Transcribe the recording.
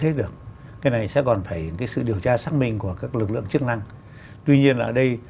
thế được cái này sẽ còn phải cái sự điều tra xác minh của các lực lượng chức năng tuy nhiên ở đây